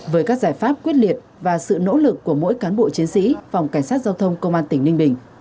với các giải pháp quyết liệt và sự nỗ lực của mỗi cán bộ chiến sĩ phòng cảnh sát giao thông công an tỉnh ninh bình